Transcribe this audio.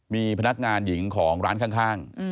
มีพนักงานหญิงของร้านข้าง